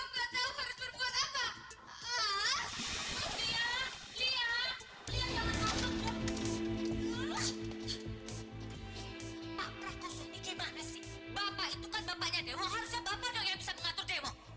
gimana sih bapak itu kan bapaknya dewa harusnya bapak yang bisa mengatur dewa